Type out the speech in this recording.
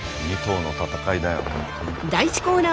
２頭の戦いだよ。